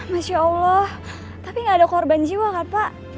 masya allah tapi gak ada korban jiwa kan pak